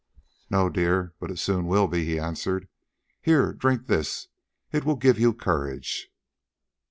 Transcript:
"No, dear, but it soon will be," he answered; "here, drink this, it will give you courage."